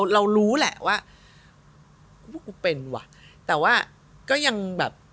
เรารู้แหละว่าพวกกูเป็นว่ะแต่ว่าก็ยังแบบ